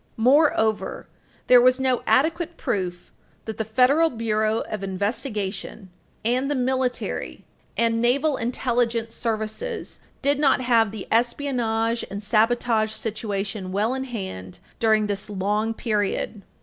Moreover, there was no adequate proof that the Federal Bureau of Investigation and the military and naval intelligence services did not have the espionage and sabotage situation well in hand during this long period.